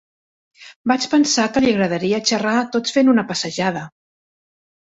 Vaig pensar que li agradaria xerrar tot fent una passejada.